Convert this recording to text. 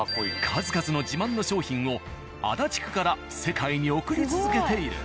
数々の自慢の商品を足立区から世界に送り続けている。